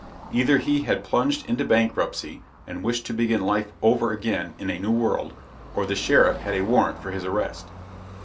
Either he had plunged into bankruptcy and wished to begin life over again in a new world, or the sheriff had a warrant for his arrest.